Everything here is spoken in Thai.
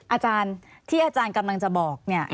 อาจารย์ที่อาจารย์กำลังจะบอกเนี่ย